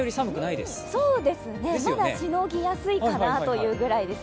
まだしのぎやすいかなというぐらいですね。